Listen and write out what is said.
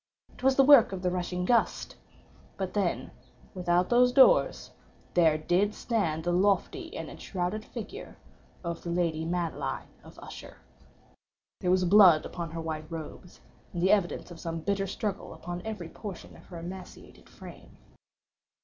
It was the work of the rushing gust—but then without those doors there did stand the lofty and enshrouded figure of the lady Madeline of Usher. There was blood upon her white robes, and the evidence of some bitter struggle upon every portion of her emaciated frame.